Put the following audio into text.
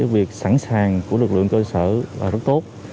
việc sẵn sàng của lực lượng cơ sở rất tốt